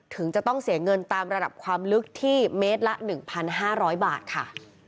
ถึงจะต้องเสียเงินตามระดับความลึกที่เมตรละหนึ่งพันห้าร้อยบาทค่ะ